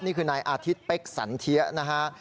นี่คือนายอาทิตย์เพ็กษันเทียนะครับ